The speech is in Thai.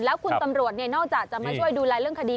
แล้วคุณตำรวจนอกจากจะมาช่วยดูแลเรื่องคดี